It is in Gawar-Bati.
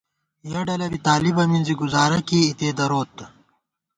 یَہ ڈلہ بی طالِبہ مِنزی گزارہ کېئی اِتے دروت